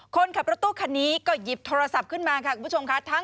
คนขับรถตู้คันนี้ก็หยิบโทรศัพท์ขึ้นมาค่ะคุณผู้ชมค่ะ